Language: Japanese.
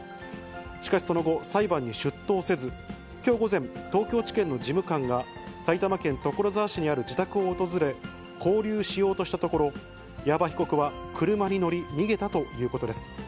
しかしその後、裁判に出頭せず、きょう午前、東京地検の事務官が、埼玉県所沢市にある自宅を訪れ、勾留しようとしたところ、矢幅被告は車に乗り、逃げたということです。